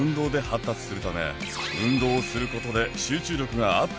運動をすることで。